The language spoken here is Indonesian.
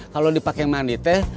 kalo dipake mandi teh